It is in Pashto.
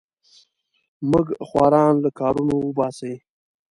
موږ خواران له کارونو وباسې.